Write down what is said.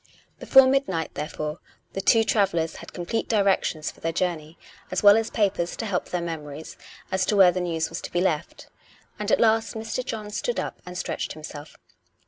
Before midnight, therefore, the two travellers had com plete directions for their journey, as well as papers to help their memories, as to where the news was to be left. And at last Mr. John stood up and stretched himself.